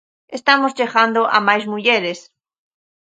Estamos chegando a máis mulleres.